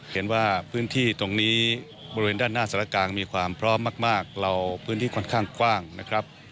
เห็นว่าพื้นที่ตรงนี้บริเวณด้านหน้าสารกลางมีความพร้อมมากเราพื้นที่ค่อนข้างกว้างนะครับ